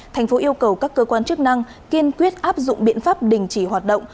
tp yêu cầu các cơ quan chức năng kiên quyết áp dụng biện pháp đình chỉ hoạt động